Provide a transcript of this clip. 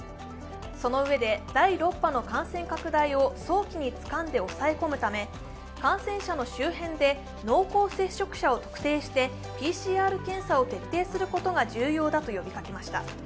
そのうえで第６波の感染拡大を早期につかんで抑え込むため、感染者の周辺で濃厚接触者を特定してＰＣＲ検査を徹底することが重要だと呼びかけました。